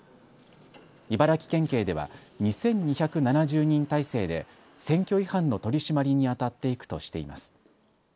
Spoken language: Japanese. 茨城県警では２２７０人態勢で選挙違反の取締りにあたっていくとしています。